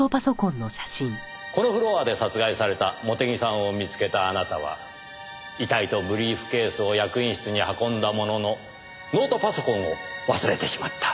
このフロアで殺害された茂手木さんを見つけたあなたは遺体とブリーフケースを役員室に運んだもののノートパソコンを忘れてしまった。